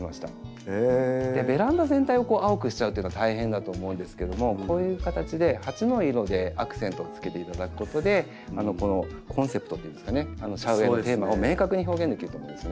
ベランダ全体を青くしちゃうっていうのは大変だと思うんですけどもこういう形で鉢の色でアクセントをつけていただくことでこのコンセプトっていうんですかねシャウエンのテーマを明確に表現できると思うんですね。